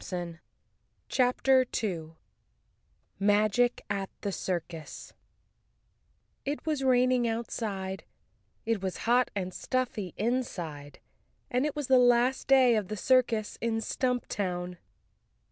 28 CHAPTER 2 Magic at the Circus TT was raining outside, it was hot and stuffy inside and it was the last day of the circus in Stumptown.